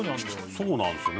そうなんすよね